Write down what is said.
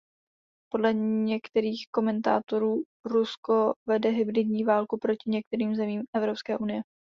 Podle některých komentátorů Rusko vede hybridní válku proti některým zemím Evropské unie.